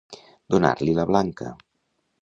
Donar-li la blanca.